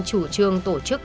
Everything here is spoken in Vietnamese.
chủ trương tổ chức